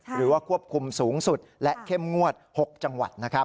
ควบคุมสูงสุดและเข้มงวด๖จังหวัดนะครับ